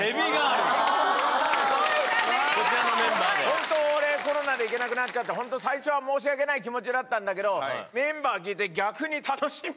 本当俺コロナで行けなくなっちゃって最初は申し訳ない気持ちだったんだけどメンバー聞いて逆に楽しみ。